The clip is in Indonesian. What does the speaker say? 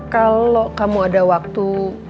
kalau kamu ada waktu